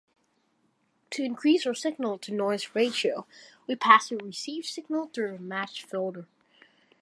To increase our signal-to-noise ratio, we pass the received signal through a matched filter.